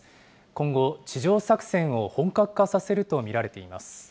今後、地上作戦を本格化させると見られています。